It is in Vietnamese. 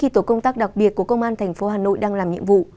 tổ công tác đặc biệt của công an tp hà nội đang làm nhiệm vụ